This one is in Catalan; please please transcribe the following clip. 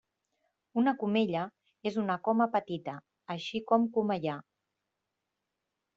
Una comella és una coma petita, així com comellar.